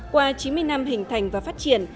qua chín mươi năm hình thành và phát triển